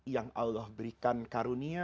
yang allah berikan karunia